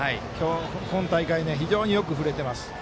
今大会、非常によく振れています。